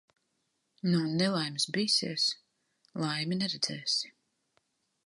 No nelaimes bīsies, laimi neredzēsi.